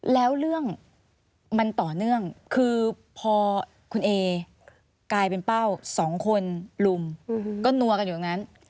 แล้วเรื่องมันต่อเนื่องคือพอคุณเอกลายเป็นเป้าสองคนลุมก็นัวกันอยู่ตรงนั้น